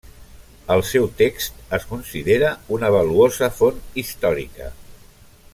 El seu text es considera una valuosa font històrica.